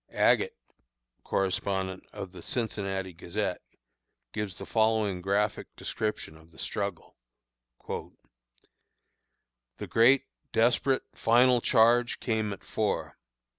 "Agate," correspondent of The Cincinnati Gazette, gives the following graphic description of the struggle: "The great, desperate, final charge came at four.